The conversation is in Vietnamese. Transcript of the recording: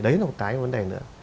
đấy là một cái vấn đề nữa